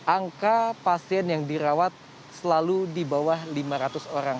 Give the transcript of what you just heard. angka pasien yang dirawat selalu di bawah lima ratus orang